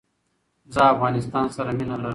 زه افغانستان سر مینه لرم